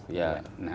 nah klaim klaim tadi